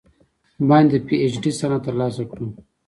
باندې د پې اي چ ډي سند تر السه کړو ۔